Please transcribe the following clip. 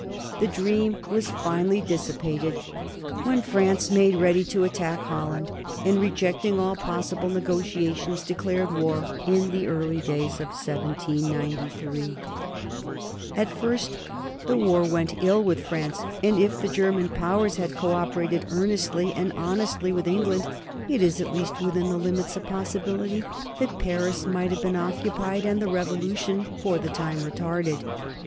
The dream was finally dissipated when France made ready to attack Holland and, rejecting all possible negotiations, declared war in the early days of 1793. [Sidenote: 1793 France declares war against Holland] At first the war went ill with France, and if the German Powers had co operated earnestly and honestly with England it is at least within the limits of possibility that Paris might have been occupied and the Revolution for the time retarded.